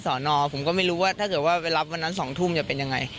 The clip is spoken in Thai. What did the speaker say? สอนอผมก็ไม่รู้ว่าถ้าเกิดว่าไปรับวันนั้น๒ทุ่มจะเป็นยังไง